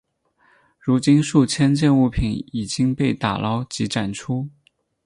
如今数千件物品已经被打捞及展出。